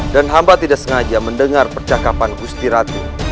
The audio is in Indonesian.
dan hamba tidak sengaja mendengar percakapan gusti ratu